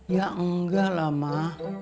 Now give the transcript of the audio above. ya enggak lah mak